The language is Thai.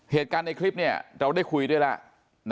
เหตุการณ์ในคลิปเราได้คุยด้วยแล้ว